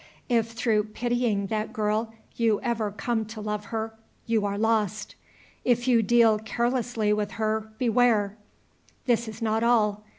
If, through pitying that girl, you ever come to love her, you are lost. If you deal carelessly with her, beware! This is not all.